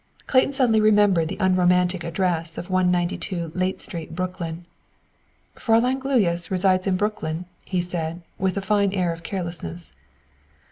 Clayton suddenly remembered the unromantic address of 192 Layte Street, Brooklyn. "Fräulein Gluyas resides in Brooklyn?" he said, with a fine air of carelessness.